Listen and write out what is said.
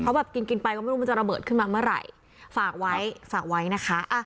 แบบกินกินไปก็ไม่รู้มันจะระเบิดขึ้นมาเมื่อไหร่ฝากไว้ฝากไว้นะคะ